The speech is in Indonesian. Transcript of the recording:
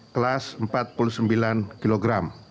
kelas empat puluh sembilan kg